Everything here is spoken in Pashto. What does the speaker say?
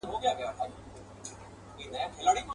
له سالو سره به څوك ستايي اورونه.